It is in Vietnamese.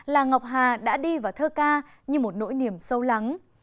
là ngọc hà đã đi vào thơ ca như một nỗi niềm sâu lắng